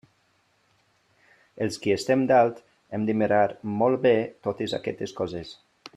Els qui estem dalt hem de mirar molt bé totes aquestes coses.